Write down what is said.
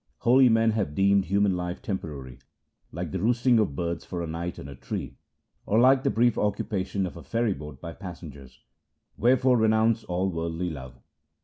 Holy men have deemed human life temporary, like the roosting ot birds for a night on a tree, or like the brief occupation of a ferry boat by passengers. Wherefore renounce all worldly love.